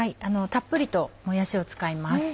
たっぷりともやしを使います。